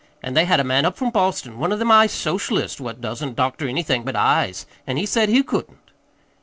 An' they had a man up from Boston one of them eye socialists what doesn't doctor anythin' but eyes an' he said he couldn't."